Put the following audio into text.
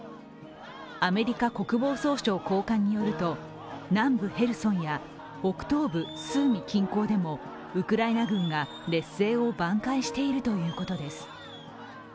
アメリカ国防総省高官によると南部ヘルソンや北東部スーミ近郊でもウクライナ軍が劣勢を挽回しているということです。